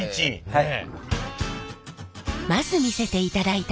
はい。